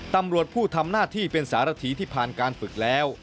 ตำรวจผู้ทำหน้าที่เป็นสารถีที่ผ่านการฝึกแล้ว